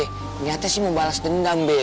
ternyata sih mau balas dendam be